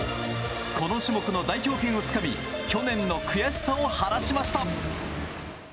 この種目の代表権をつかみ去年の悔しさを晴らしました。